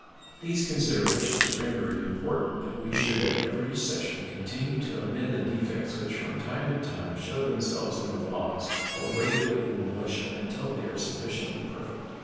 These considerations render it important that we should at every session continue to amend the defects which from time to time shew themselves in the laws for regulating the militia until they are sufficiently perfect.